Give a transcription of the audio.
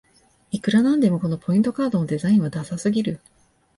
いくらなんでもこのポイントカードのデザインはダサすぎる